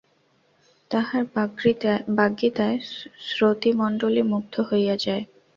তাঁহার বাগ্মিতায় শ্রোতৃমণ্ডলী মুগ্ধ হইয়া যায়।